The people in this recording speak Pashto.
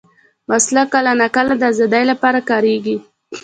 وسله کله ناکله د ازادۍ لپاره کارېږي